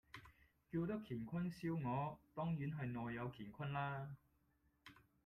叫得乾坤燒鵝，當然係內有乾坤啦